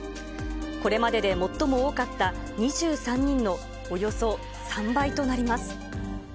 これまでで最も多かった２３人のおよそ３倍となります。